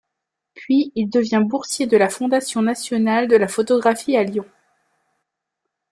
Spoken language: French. Puis il devient boursier de la Fondation Nationale de la Photographie à Lyon.